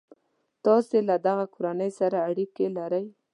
تاسي له دغه کورنۍ سره اړیکي لرئ.